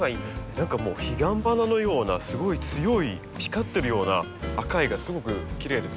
何かもう彼岸花のようなすごい強い光ってるような赤がすごくきれいですね。